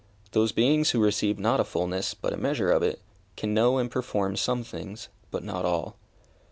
Those beings who receive not a fulness, but a measure of it, can know and perform some things, but not all.